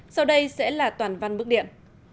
sau đây sẽ là toàn văn bức điện